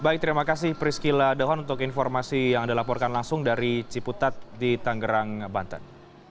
baik terima kasih prisky ladohon untuk informasi yang dilaporkan langsung dari ciputat di tangerang banten